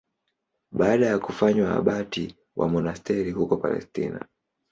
Baada ya kufanywa abati wa monasteri huko Palestina.